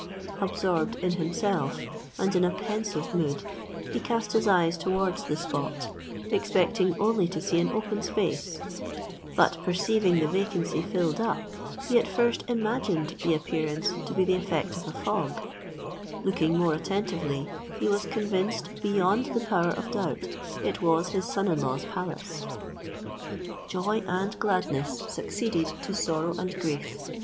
Absorbed in himself, and in a pensive mood, he cast his eyes towards the spot, expecting only to see an open space; but perceiving the vacancy filled up, he at first imagined the appearance to be the effect of a fog; looking more attentively, he was convinced beyond the power of doubt it was his son in law's palace. Joy and gladness succeeded to sorrow and grief.